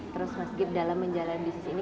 terus mas gip dalam menjalani bisnis ini